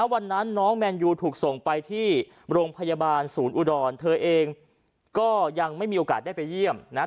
วันนั้นน้องแมนยูถูกส่งไปที่โรงพยาบาลศูนย์อุดรเธอเองก็ยังไม่มีโอกาสได้ไปเยี่ยมนะ